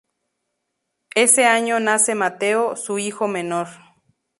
Ese año nace Mateo, su hijo menor.